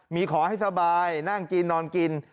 มีขอให้สบายนั่งกินนอนกิน